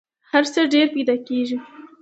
هر څه ډېر پیدا کېږي .